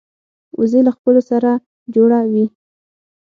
وزې له خپلو سره جوړه وي